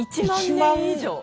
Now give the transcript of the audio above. １万年以上。